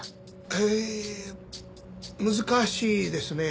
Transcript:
えー難しいですね。